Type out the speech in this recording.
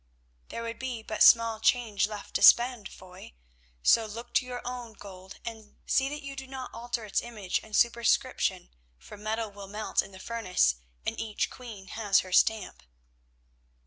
"There would be but small change left to spend, Foy, so look to your own gold and—see that you do not alter its image and superscription, for metal will melt in the furnace, and each queen has her stamp."